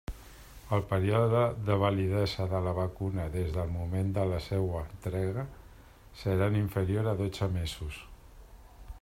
El període de validesa de la vacuna des del moment de la seua entrega serà no inferior a dotze mesos.